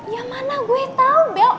ya mana gue tau bell